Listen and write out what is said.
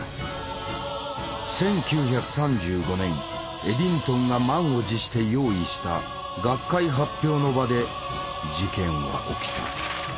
エディントンが満を持して用意した学会発表の場で「事件」は起きた。